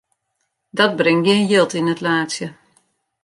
Dat bringt gjin jild yn it laadsje.